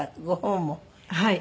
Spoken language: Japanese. はい。